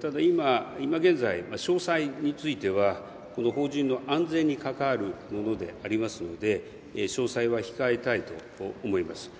ただ、今現在、詳細については、邦人の安全に関わるものでありますので、詳細は控えたいと思います。